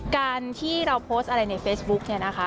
การที่เราโพสต์อะไรในเฟซบุ๊ก